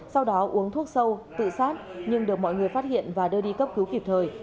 sau đó uống thuốc sâu tự sát nhưng được mọi người phát hiện và đưa đi cấp cứu kịp thời